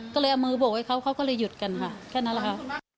ก็เลยเอามือโบกให้เขาเขาก็เลยหยุดกันค่ะแค่นั้นแหละค่ะ